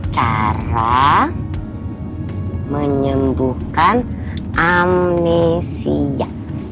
cara menyembuhkan amnesia